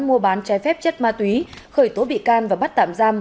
mua bán trái phép chất ma túy khởi tố bị can và bắt tạm giam